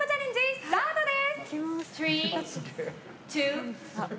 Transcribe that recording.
スタートです